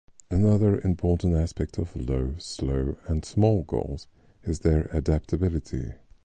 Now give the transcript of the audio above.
Another important aspect of low, slow, and small goals is their adaptability.